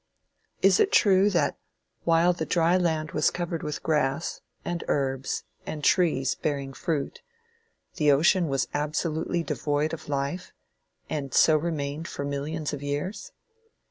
Is it true that while the dry land was covered with grass, and herbs, and trees bearing fruit, the ocean was absolutely devoid of life, and so remained for millions of years?